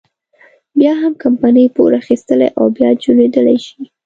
بيا هم کمپنۍ پور اخیستلی او بیا جوړېدلی شي.